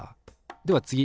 では次！